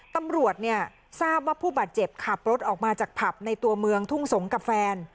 ตำรวจเนี่ยทราบว่าผู้บาดเจ็บขับรถออกมาจากผับในตัวเมืองทุ่งสงศ์กับแฟน